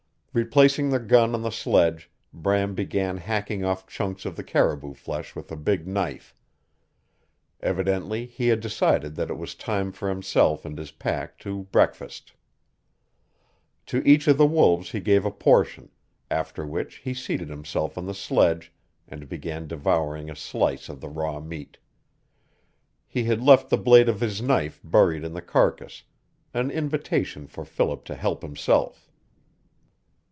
Replacing the gun on the sledge, Bram began hacking off chunks of the caribou flesh with a big knife. Evidently he had decided that it was time for himself and his pack to breakfast. To each of the wolves he gave a portion, after which he seated himself on the sledge and began devouring a slice of the raw meat. He had left the blade of his knife buried in the carcass an invitation for Philip to help himself.